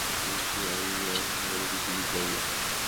কিন্তু তিমির ব্যাপারটা আমি কিছুই বুঝলাম না।